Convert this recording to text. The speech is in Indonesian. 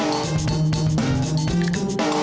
kau lo ga ada bener